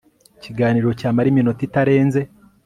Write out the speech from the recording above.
ikiganiro cyamara iminota itarenze